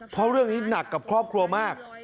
เพราะเรื่องนี้หนักกับครอบครัวมาก